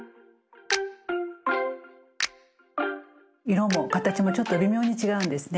色も形もちょっと微妙に違うんですね。